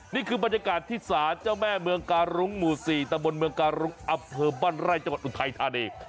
นี่คือบรรยากาศที่ศาลเจ้าแม่เมืองการุ้งหมู่๔ตะบนเมืองการุงอำเภอบ้านไร่จังหวัดอุทัยธานี